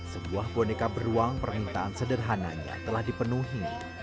sebuah boneka beruang permintaan sederhananya telah dipenuhi